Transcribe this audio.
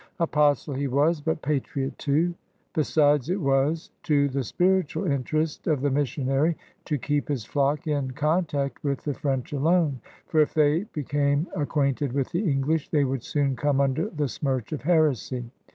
Apostle he was, but patriot too. Besides, it was to the spiritual interest of the missionary to keep his flock in contact with the French alone; for if they became acquainted with the English they would soon come under the smirch of heresy.